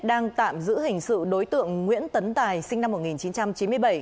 đang tạm giữ hình sự đối tượng nguyễn tấn tài sinh năm một nghìn chín trăm chín mươi bảy